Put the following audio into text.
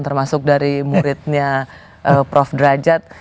termasuk dari muridnya prof derajat